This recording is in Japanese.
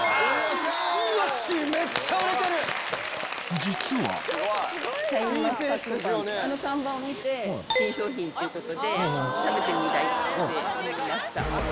シャインマスカットパン、あの看板を見て、新商品っていうことで、食べてみたいって思いました。